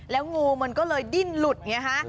แล้วงูมันก็เลยดิ้นหลุดไงฮะ